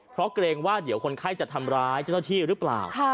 เพราะเกรงว่าเดี๋ยวคนไข้จะทำร้ายเจ้าหน้าที่หรือเปล่า